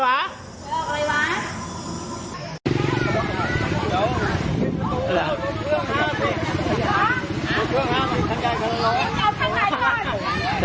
หัวให้ออกอะไรวะ